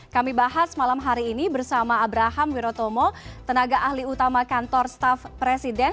kami bahas malam hari ini bersama abraham wirotomo tenaga ahli utama kantor staff presiden